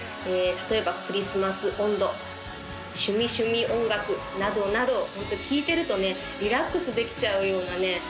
例えば「クリスマス音頭」「趣味趣味音楽」などなどホント聴いてるとねリラックスできちゃうようなね